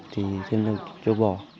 thì thêm cho bò